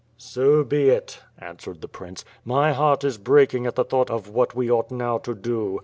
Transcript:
'* "So bo it/' ansA/ered the prince, "my heart is breaking at the thought of what ^^e ought now to do.